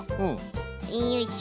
よいしょ。